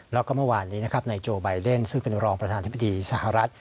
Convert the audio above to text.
แล้วก็เมื่อวานนี้นะครับนายโจไบเดนซึ่งเป็นรองประธานธิบดีสหรัฐ